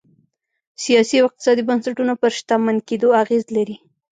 سیاسي او اقتصادي بنسټونه پر شتمن کېدو اغېز لري.